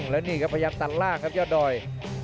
แล้วนี่ครับพยายามตัดล่างครับยอดดอย